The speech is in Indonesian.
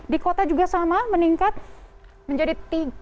di kota juga sama meningkat menjadi tiga ratus sembilan puluh sembilan